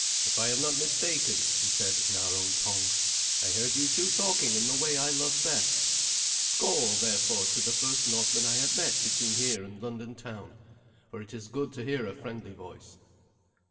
"If I am not mistaken," he said in our own tongue, "I heard you two talking in the way I love best. Skoal, therefore, to the first Northman I have met between here and London town, for it is good to hear a friendly voice."